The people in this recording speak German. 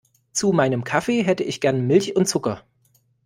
Zu meinem Kaffee hätte ich gern Milch und Zucker.